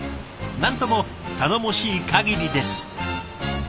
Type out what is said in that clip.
なんとも頼もしいかぎりです。